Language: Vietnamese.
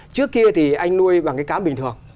trước kia thì anh nuôi bằng cái cám bình thường